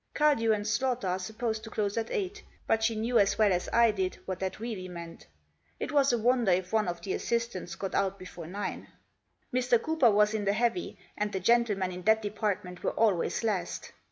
Cardew and Slaughter are supposed to close at eight, but she knew as well as I did what that really meant. It was a wonder if one of the assistants got out before nine. Mr. Cooper was in the heavy, and the gentle men in that department were always last.